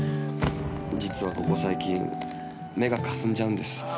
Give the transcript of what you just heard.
実は、ここ最近目がかすんじゃうんです。